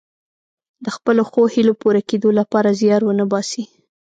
د خپلو ښو هیلو پوره کیدو لپاره زیار ونه باسي.